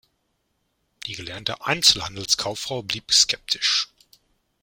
Die gelernte Einzelhandelskauffrau blieb skeptisch.